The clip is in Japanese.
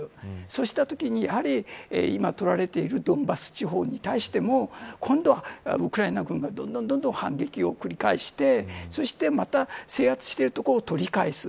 そうしたときに、今取られているドンバス地方に対してもウクライナ軍がどんどん反撃を繰り返してそしてまた制圧している所を取り返す。